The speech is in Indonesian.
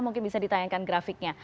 mungkin bisa ditanyakan grafis